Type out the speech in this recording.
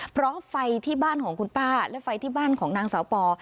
เพราะไฟที่บ้านของคุณป้าและไฟที่บ้านของนางสาวปอ